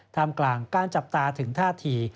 ทำกล่างกล้านจับตาถึงท่าถี่